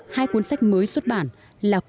hai cuốn sách mới xuất bản là